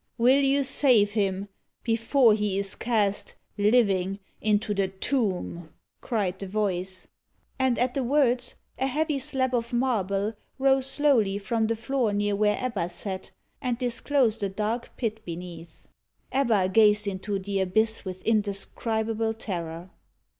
"Will you save him before he is cast, living, into the tomb?" cried the voice. And at the words, a heavy slab of marble rose slowly from the floor near where Ebba sat, and disclosed a dark pit beneath. Ebba gazed into the abyss with indescribable terror.